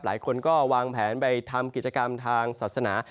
หลายคนก็วางแผนไปทำกิจกรรมทางศาสนา